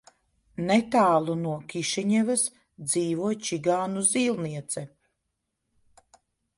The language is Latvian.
Netālu no Kišiņevas dzīvo čigānu zīlniece.